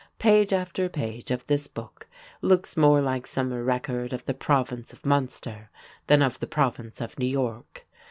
Page after page of this book looks more like some record of the Province of Munster than of the Province of New York.